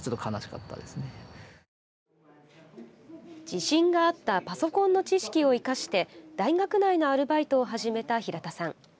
自信があったパソコンの知識を生かして大学内のアルバイトを始めた平田さん。